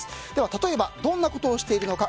例えばどんなことをしているのか。